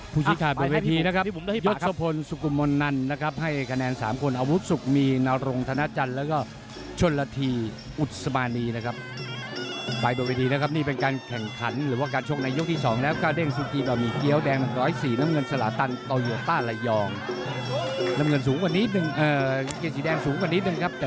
ภุชีคาเบอร์เวทีนะครับ